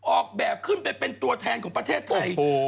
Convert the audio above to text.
ออกแบบขึ้นไปเป็นตัวแทนของประเทศไทย